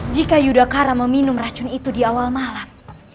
jika yudhakara meminum racun itu di awal malam